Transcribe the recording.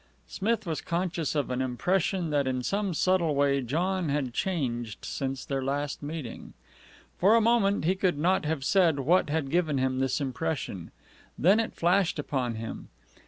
Smith was conscious of an impression that in some subtle way John had changed since their last meeting. For a moment he could not have said what had given him this impression. Then it flashed upon him.